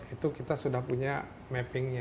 itu kita sudah punya mapping nya